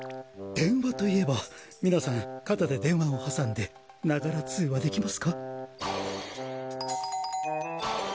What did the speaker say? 電話といえば皆さん肩で電話を挟んでながら通話できますか？